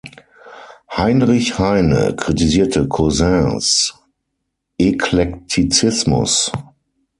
Heinrich Heine kritisierte Cousins Eklektizismus.